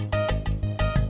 ya ada tiga orang